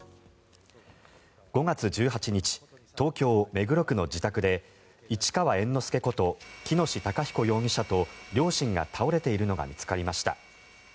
５月１８日東京・目黒区の自宅で市川猿之助こと喜熨斗孝彦容疑者と両親が倒れているのが見つかりました。